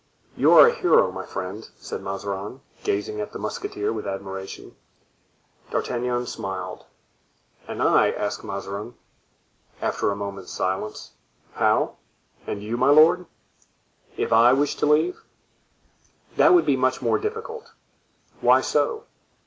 "You are a hero, my friend," said Mazarin, gazing at the musketeer with admiration. D'Artagnan smiled. "And I?" asked Mazarin, after a moment's silence. "How? and you, my lord?" "If I wish to leave?" "That would be much more difficult." "Why so?"